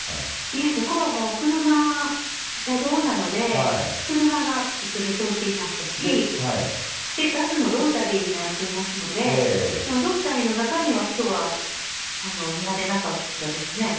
いえ、そこはもう車、車道なので、車が普通に通っていましたし、そしてバスのロータリーになっていますので、ロータリーの中には人は見られなかったですね。